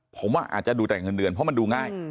ผมว่าอาจจะดูแต่เงินเดือนเพราะมันดูง่าย